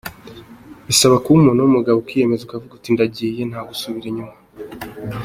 Bisaba kuba umuntu w’umugabo, ukiyemeza ukavuga uti ndagiye ntagusubira inyuma.